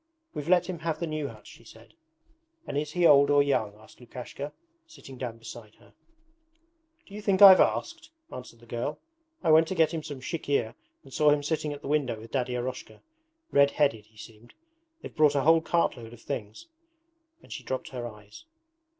'We've let him have the new hut,' she said. 'And is he old or young,' asked Lukashka, sitting down beside her. 'Do you think I've asked?' answered the girl. 'I went to get him some chikhir and saw him sitting at the window with Daddy Eroshka. Red headed he seemed. They've brought a whole cartload of things.' And she dropped her eyes.